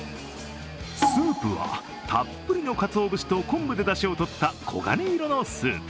スープはたっぷりのかつお節と昆布でだしをとった黄金色のスープ。